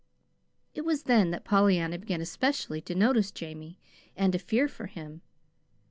It was then that Pollyanna began especially to notice Jamie, and to fear for him.